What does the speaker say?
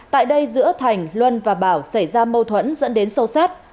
tại đây giữa thành luân và bảo xảy ra mâu thuẫn dẫn đến sâu sát